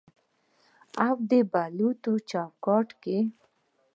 او د بلوط چوکاټ کې